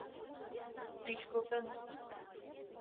Пӱчкылтын...